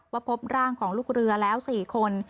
พบร่างของลูกเรือแล้ว๔คน